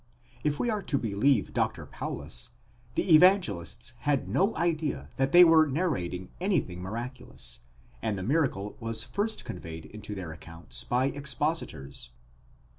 If we are to believe Dr. Paulus,!* the Evangelists had no idea that they were narrating anything miraculous, and the miracle was first conveyed into their accounts by expositors.